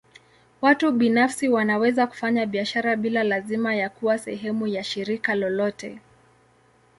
Watu binafsi wanaweza kufanya biashara bila lazima ya kuwa sehemu ya shirika lolote.